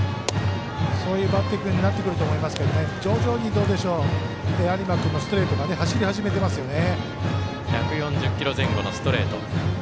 そういうバッティングになってくると思いますけど徐々に、有馬君のストレート走り始めてますよね。